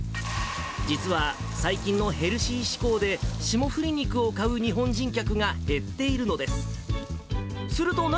実は、最近のヘルシー志向で、霜降り肉を買う日本人客が減っているのです。